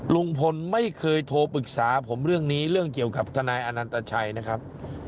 ลุงพลไม่เคยโทรปรึกษาผมเรื่องนี้เรื่องเกี่ยวกับทนายอนันตชัยนะครับ